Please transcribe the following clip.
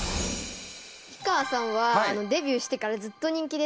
氷川さんはデビューしてからずっと人気ですけど。